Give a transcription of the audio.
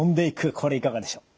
これいかがでしょう？